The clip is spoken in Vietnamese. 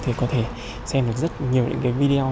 thì có thể xem được rất nhiều những cái video